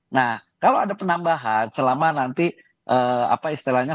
nah kalau ada penambahan selama nanti apa istilahnya